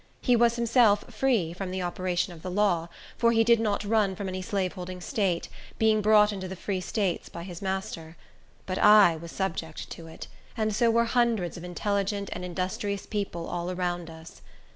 He was himself free from the operation of the law; for he did not run from any Slaveholding State, being brought into the Free States by his master. But I was subject to it; and so were hundreds of intelligent and industrious people all around us.